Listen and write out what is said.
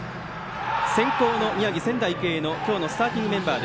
先攻の宮城・仙台育英の今日のスターティングメンバー。